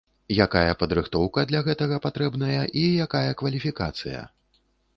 Якая падрыхтоўка для гэтага патрэбная і якая кваліфікацыя?